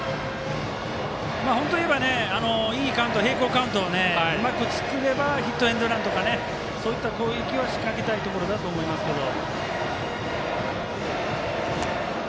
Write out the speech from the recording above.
本当を言えば平行カウントをうまく作ればヒットエンドランとかそういった攻撃を仕掛けたいところだと思いますけど。